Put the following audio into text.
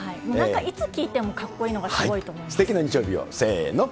いつ聴いてもかっこいいのがすごいと思います。